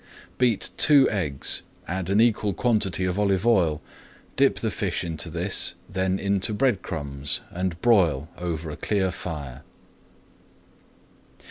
Beat two eggs, add an equal quantity of olive oil, dip the fish into this, then into bread crumbs, and broil over a clear fire.